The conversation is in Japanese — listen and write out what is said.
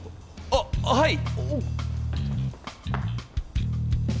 あっはい。